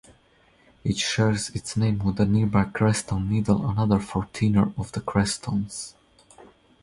It shares its name with the nearby Crestone Needle, another fourteener of the Crestones.